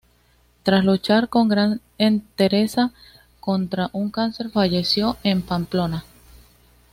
Tras luchar con gran entereza contra un cáncer, falleció en Pamplona.